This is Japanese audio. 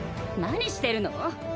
何してるの？